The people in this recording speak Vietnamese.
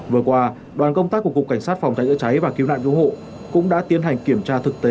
vừa qua đoàn công tác của cục cảnh sát phòng cháy chữa cháy và cứu nạn cứu hộ cũng đã tiến hành kiểm tra thực tế